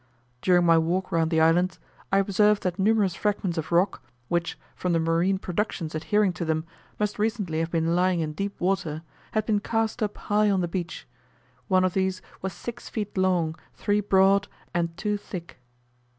During my walk round the island, I observed that numerous fragments of rock, which, from the marine productions adhering to them, must recently have been lying in deep water, had been cast up high on the beach; one of these was six feet long, three broad, and two thick.